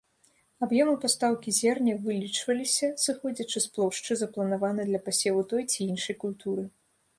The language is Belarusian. Аб'ёмы пастаўкі зерня вылічваліся, сыходзячы з плошчы, запланаванай для пасеву той ці іншай культуры.